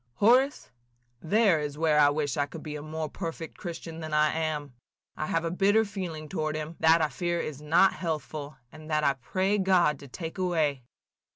"Horace, there is where I wish I could be a more perfect Christian than I am. I have a bitter feeling toward him, that I fear is not healthful, and that I pray God to take away.